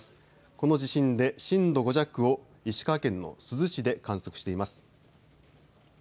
この地震で震度５弱を石川県の珠洲市で観測しています。